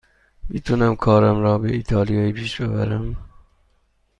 می تونم کارم را به ایتالیایی پیش ببرم.